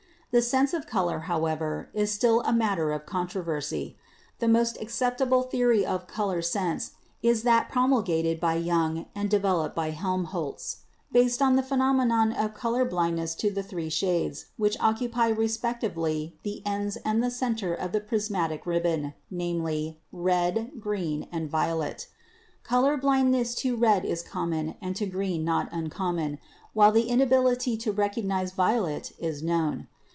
The sense of color, however, is still a matter of contro versy. The most acceptable theory of color sense is that promulgated by Young and developed by Helmholtz, based on the phenomenon of color blindness to the three shades which occupy respectively the ends and the center of the prismatic ribbon, viz., red, green and violet. Color blindness to red is common and to green not uncommon, while the inability to recognise violet is known.